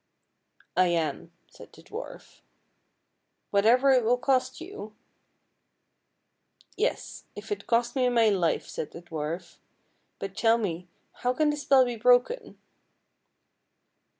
"" I am," said the dwarf. " Whatever it will cost you? "" Yes, if it cost me my life," said the dwarf ;" but tell me, how can the spell be broken?